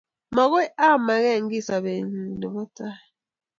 Makoy aimekey sobeng'ung' ne po tai